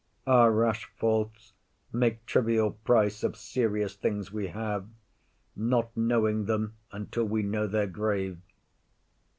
Our rash faults Make trivial price of serious things we have, Not knowing them until we know their grave.